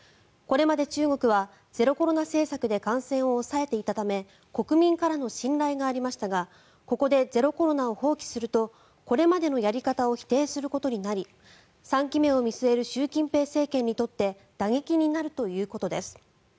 これまで中国はゼロコロナ政策で感染を抑えていたため国民からの信頼がありましたがここでゼロコロナを放棄するとこれまでのやり方を否定することになり３期目を見据える習近平政権にとって打撃になるということです。